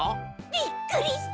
びっくりした？